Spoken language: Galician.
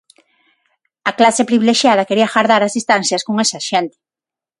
A clase privilexiada quería gardar as distancias con esa xente.